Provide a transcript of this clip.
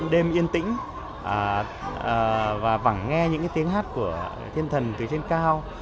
đêm yên tĩnh và nghe những tiếng hát của thiên thần từ trên cao